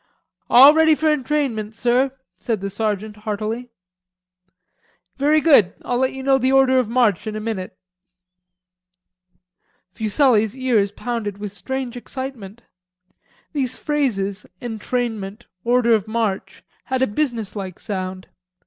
"All ready for entrainment, sir," said the sergeant heartily. "Very good, I'll let you know the order of march in a minute." Fuselli's ears pounded with strange excitement. These phrases, "entrainment," "order of march," had a businesslike sound.